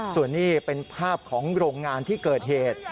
ส่วนนี้เป็นภาพของโรงงานที่เกิดเหตุ